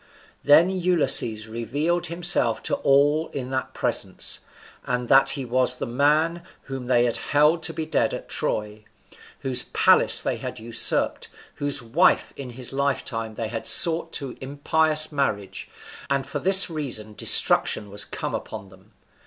Then Ulysses revealed himself to all in that presence, and that he was the man whom they held to be dead at Troy, whose palace they had usurped, whose wife in his lifetime they had sought in impious marriage, and that for this reason destruction was come upon them.